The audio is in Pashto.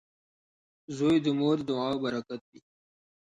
• زوی د مور د دعاو برکت وي.